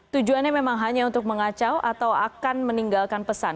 tujuannya memang hanya untuk mengacau atau akan meninggalkan pesan